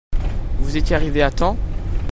Vous étiez arrivé à temps ?